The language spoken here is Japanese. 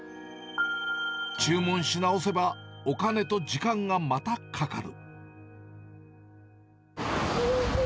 注文し直せば、お金と時間がまたかかる。